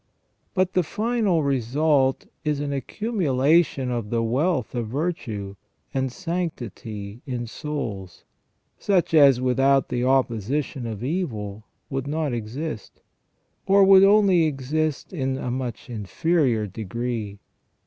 But the final result is an accumulation of the wealth of virtue, and sanctity in souls, such as without the opposition of evil would not exist, or would only exist in a much inferior degree.